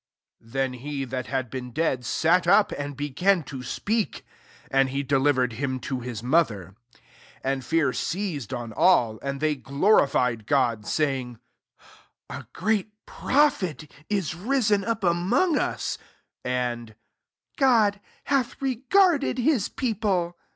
15 Then he that had be^ 4ead sat up, and began to s] And he delivered him tor mother. 16 And fear seia^eft all : and they glorified saying, "A great prophctj risen Up among us ; and, «< hath regarded his people.